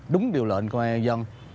đúng điều lệnh của người dân